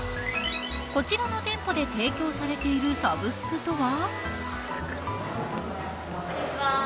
こちらの店舗で提供されているサブスクとは。